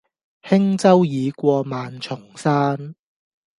輕舟已過萬重山